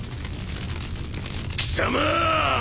貴様！